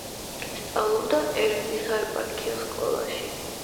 სწავლობდა ერევნის საეპარქიო სკოლაში.